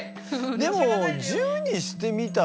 でも十にしてみたら。